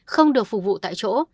không được phục vụ tại chỗ